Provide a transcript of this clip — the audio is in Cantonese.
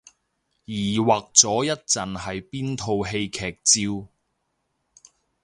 疑惑咗一陣係邊套戲劇照